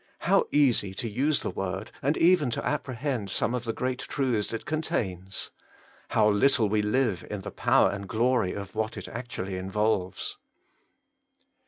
How easy to use the word, and even to apprehend some of the great truths it contains ! How little we live in the power and the glory of what it actually involves